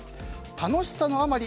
楽しさのあまり